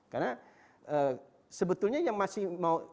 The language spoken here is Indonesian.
karena sebetulnya yang masih mau